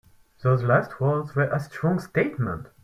Those last words were a strong statement.